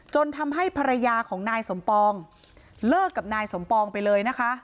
จนทำให้ภรรยาของนายสมปองเลิกกับนายสมปองไปเลยนะคะ